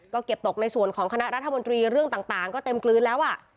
ก็เก็บตกในส่วนของคณะรัฐมนตรีเรื่องต่างก็เต็มกลืนแล้ว